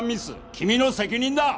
君の責任だ！